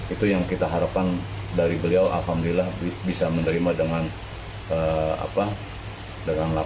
itu yang kita harapkan dari beliau alhamdulillah bisa menerima dengan lancar